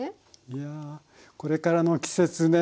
いやこれからの季節ね